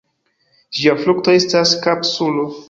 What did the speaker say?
Ĝia frukto estas kapsulo.